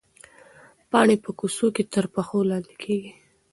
پاڼې په کوڅو کې تر پښو لاندې کېږي.